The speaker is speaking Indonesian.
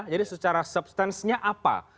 jadi secara substansenya apa